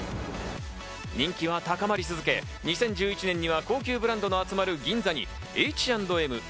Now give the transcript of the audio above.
人気は高まり続け、２０１１年には高級ブランドが集まる銀座にＨ＆Ｍ、ＺＡＲＡ、ＦＯＲＥＶＥＲ